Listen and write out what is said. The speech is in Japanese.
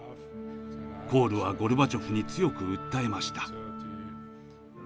コールはゴルバチョフに強く訴えました。